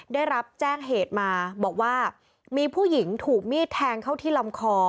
ได้รับแจ้งเหตุมาบอกว่ามีผู้หญิงถูกมีดแทงเข้าที่ลำคอ